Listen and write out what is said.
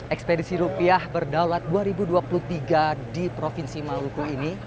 ekspedisi rupiah berdaulat dua ribu dua puluh tiga di provinsi maluku ini